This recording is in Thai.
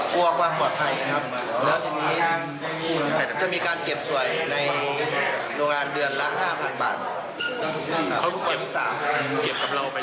ถ้าวันที่๓เดือนหน้าคือครบแล้ว